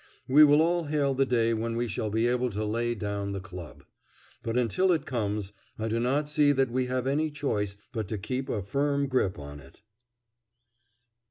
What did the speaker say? We will all hail the day when we shall be able to lay down the club. But until it comes I do not see that we have any choice but to keep a firm grip on it.